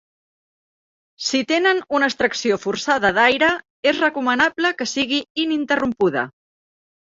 Si tenen una extracció forçada d’aire, és recomanable que sigui ininterrompuda.